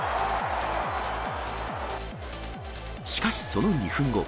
しかし、その２分後。